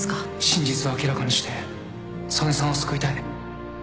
真実を明らかにして曽根さんを救いたい